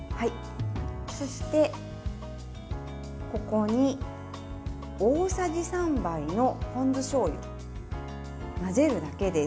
そして、ここに大さじ３杯のポン酢しょうゆを混ぜるだけです。